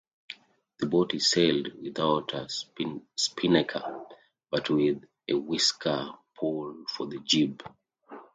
The boat is sailed without a spinnaker, but with a whisker-pole for the jib.